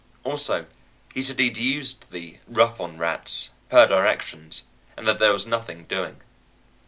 Also, he said he'd used the "rough on rats," per directions, and that there was nothing doing.